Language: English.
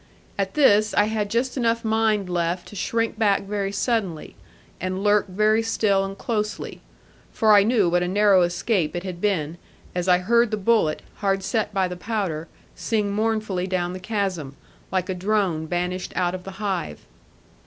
At this I had just enough mind left to shrink back very suddenly, and lurk very still and closely; for I knew what a narrow escape it had been, as I heard the bullet, hard set by the powder, sing mournfully down the chasm, like a drone banished out of the hive.